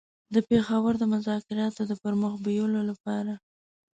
د پېښور د مذاکراتو د پر مخ بېولو لپاره.